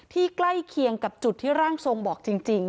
ใกล้เคียงกับจุดที่ร่างทรงบอกจริง